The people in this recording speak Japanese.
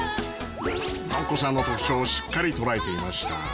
ＮＯＫＫＯさんの特徴をしっかり捉えていました。